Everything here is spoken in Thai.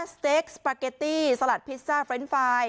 สเต็กสปาเกตตี้สลัดพิซซ่าเฟรนด์ไฟล์